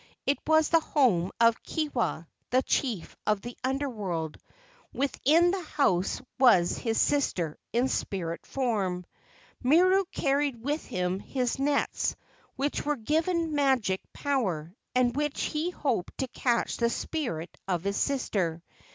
It was the home of Kewa, the chief of the Under world. Within the house was his sister in spirit form. Miru carried with him his nets which were given magic power, with which he hoped to catch the spirit of his sister.